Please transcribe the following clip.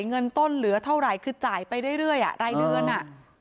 เงินต้นเหลือเท่าไหร่คือจ่ายไปเรื่อยอ่ะรายเดือนอ่ะ